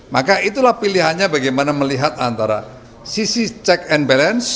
maka itulah pilihannya bagaimana melihat antara sisi check and balance